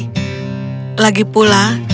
lagi pula itu adalah kebenaran mereka